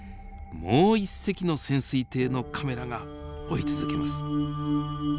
もう一隻の潜水艇のカメラが追い続けます。